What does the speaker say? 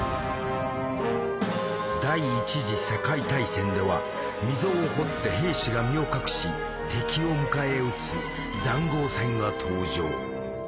第一次世界大戦では溝を掘って兵士が身を隠し敵を迎え撃つ塹壕戦が登場。